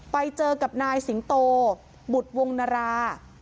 ไปเจอกับนายสิงโตบุตรวงนรา